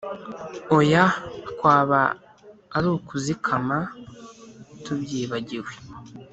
oya, kwaba ari ukuzikama tubyibagiwe!